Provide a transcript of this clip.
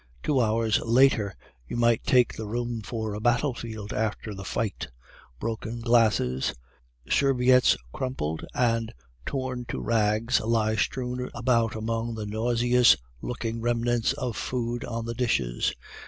Two hours later you might take the room for a battlefield after the fight. Broken glasses, serviettes crumpled and torn to rags lie strewn about among the nauseous looking remnants of food on the dishes.